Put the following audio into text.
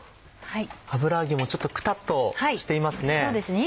油揚げもちょっとくたっとしていますね。